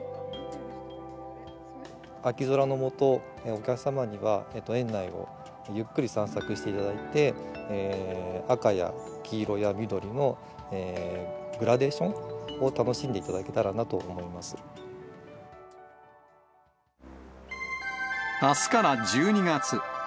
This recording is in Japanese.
秋空の下、お客様には園内をゆっくり散策していただいて、赤や黄色や緑のグラデーションを楽しんでいただけたらなと思いまあすから１２月。